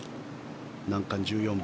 難関１４番